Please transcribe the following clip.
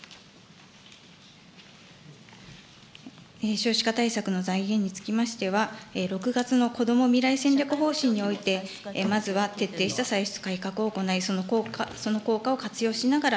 少子化対策の財源につきましては、６月のこども未来戦略方針において、まずは徹底した歳出改革を行い、その効果を活用しながら、